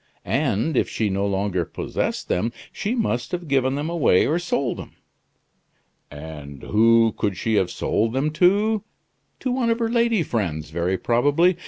And if she no longer possessed them she must have given them away or sold them. And who could she have sold them to? To one of her lady friends, very probably.